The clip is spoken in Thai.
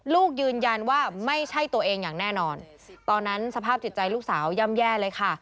ลูกยืนยันว่าไม่ใช่ตัวเองอย่างแน่นอนตอนนั้นสภาพจิตใจลูกสาวย่ำแย่เลยค่ะ